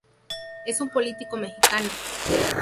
Es un político mexicano.